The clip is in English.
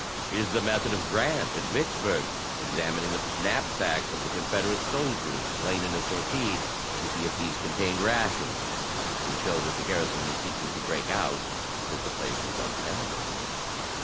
It is the method of Grant at Vicksburg, examining the knapsacks of the Confederate soldiers slain in a sortie to see if these contained rations, which would show that the garrison was seeking to break out because the place was un tenable."